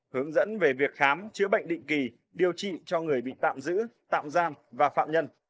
hướng dẫn về việc khám chữa bệnh định kỳ điều trị cho người bị tạm giữ tạm giam và phạm nhân